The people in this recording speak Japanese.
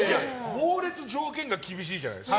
猛烈条件が厳しいじゃないですか。